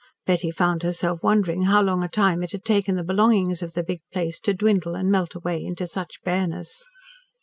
Betty found herself wondering how long a time it had taken the belongings of the big place to dwindle and melt away into such bareness.